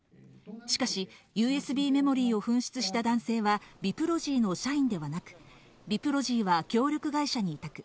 しかし、ＵＳＢメモリーを紛失した男性はビプロジーの社員ではなく、ビプロジーは協力会社に委託。